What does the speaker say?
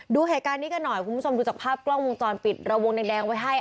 ดูเหตุการณ์นี้กันหน่อยคุณผู้ชมดูจากภาพกล้องวงจรปิดระวงแดงไว้ให้